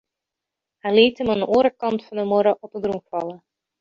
Hy liet him oan 'e oare kant fan de muorre op 'e grûn falle.